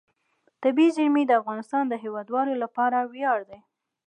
طبیعي زیرمې د افغانستان د هیوادوالو لپاره ویاړ دی.